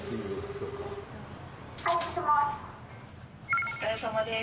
お疲れさまです。